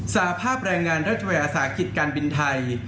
สาภาพแรงงานรัฐยาสาหกิจการบินไทย